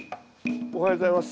おはようございます。